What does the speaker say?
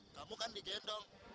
kamu kan di gendong